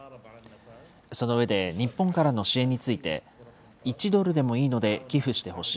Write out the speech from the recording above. その上で、日本からの支援について、１ドルでもいいので寄付してほしい。